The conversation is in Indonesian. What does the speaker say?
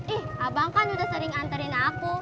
eh abang kan udah sering antarin aku